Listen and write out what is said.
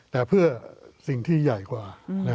แต่เพื่อสิ่งที่ใหญ่กว่า